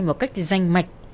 một cách danh mạch